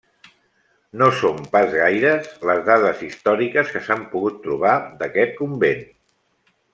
No són pas gaires les dades històriques que s'han pogut trobar d'aquest convent.